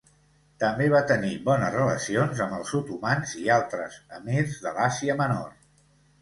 També va tenir bones relacions amb els otomans i altres emirs de l'Àsia Menor.